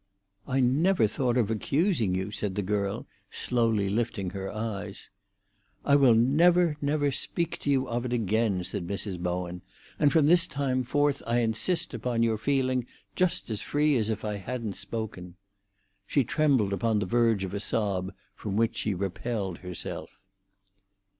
"I never thought of accusing you," said the girl, slowly lifting her eyes. "I will never, never speak to you of it again," said Mrs. Bowen, "and from this time forth I insist upon your feeling just as free as if I hadn't spoken." She trembled upon the verge of a sob, from which she repelled herself.